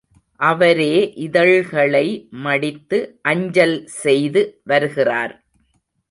அவரே இதழ்களை மடித்து அஞ்சல் செய்து வருகிறார்.